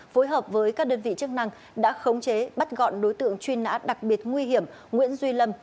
phối hợp với các đơn vị chức năng đã khống chế bắt gọn đối tượng truy nã đặc biệt nguy hiểm nguyễn duy lâm